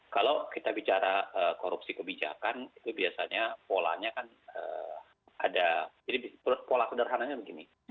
kalau kita bicara korupsi kebijakan itu biasanya polanya kan ada jadi pola sederhananya begini